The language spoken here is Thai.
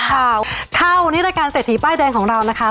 ครับวันนี้รายการเศรษฐีป้ายแดงของเรานะคะ